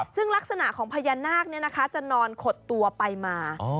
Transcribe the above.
ซึ่งลักษณะของพญานาคจะนอนขดตัวไปมา